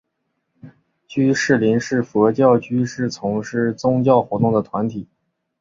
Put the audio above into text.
居士林是佛教居士从事宗教活动的团体。